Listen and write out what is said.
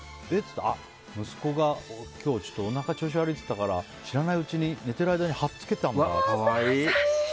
あ、息子が今日おなか調子悪いって言ったら知らないうちに寝てる間に貼っつけたんだって。